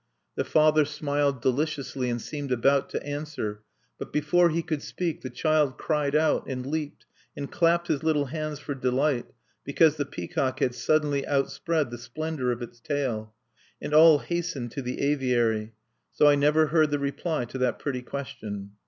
The father smiled deliciously, and seemed about to answer, but before he could speak the child cried out, and leaped, and clapped his little hands for delight, because the peacock had suddenly outspread the splendor of its tail. And all hastened to the aviary. So I never heard the reply to that pretty question.